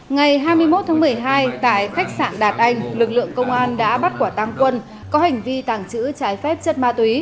ngày hai mươi một tháng một mươi hai tại khách sạn đạt anh lực lượng công an đã bắt quả tăng quân có hành vi tàng trữ trái phép chất ma túy